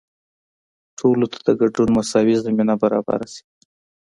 ټولو ته د ګډون مساوي زمینه برابره شي.